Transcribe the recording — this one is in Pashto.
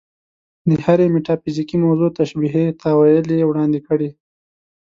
د هرې میتافیزیکي موضوع تشبیهي تأویل یې وړاندې کړی.